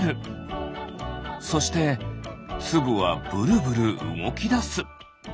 そしてつぶはぶるぶるうごきだす。